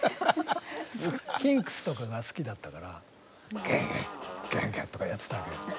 キンクスとかが好きだったからガガッガガッとかやってたね。